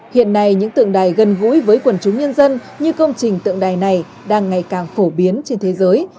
hiện nay những tượng đài gần gũi với quần chúng nhân dân như công trình tượng đài này đang ngày càng phổ biến trên thế giới